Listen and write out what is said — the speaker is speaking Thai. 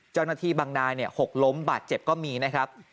เจ้าหน้าที่บางนายหกล้มบาดเจ็บก็มีนะครับ